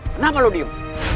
kenapa lu diem